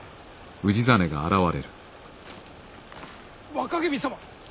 若君様！